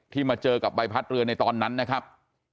มาเจอกับใบพัดเรือในตอนนั้นนะครับ